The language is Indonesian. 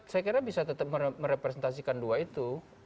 saya kira bisa tetap merepresentasikan dua itu